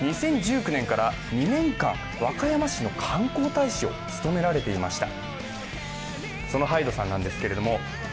２０１９年から２年間、和歌山市の観光大使を務められていました。